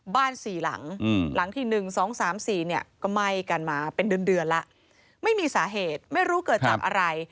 บ้านสี่หลังหลังที่หนึ่งสองสามสี่เนี่ยก็ไหม้กันมาเป็นเดือนเดือนล่ะไม่มีสาเหตุไม่รู้เกิดจากอะไร